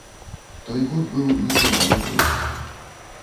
Той год быў нечуваны голад.